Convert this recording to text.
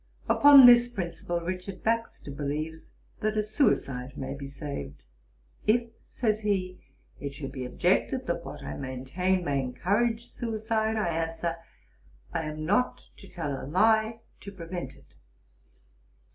Upon this principle Richard Baxter believes that a Suicide may be saved. "If, (says he) it should be objected that what I maintain may encourage suicide, I answer, I am not to tell a lie to prevent it."'